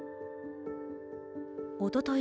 おととい